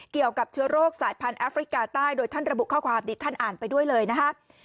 เกี่ยวกับเชื้อโรคสายพันธุ์แอฟริกาใต้โดยท่านระบุข้อความนี้ท่านอ่านไปด้วยเลยนะคะ